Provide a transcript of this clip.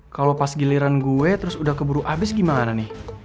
kalau pas giliran gue terus udah keburu abis gimana nih